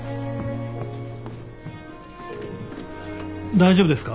大丈夫ですか？